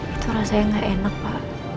itu rasanya nggak enak pa